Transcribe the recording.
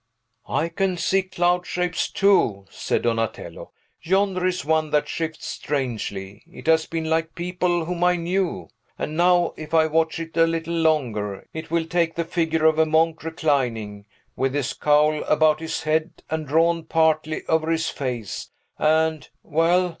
"I can see cloud shapes, too," said Donatello; "yonder is one that shifts strangely; it has been like people whom I knew. And now, if I watch it a little longer, it will take the figure of a monk reclining, with his cowl about his head and drawn partly over his face, and well!